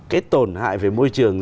cái tổn hại về môi trường